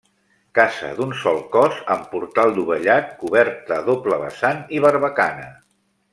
Casa d'un sol cos amb portal dovellat, coberta a doble vessant i barbacana.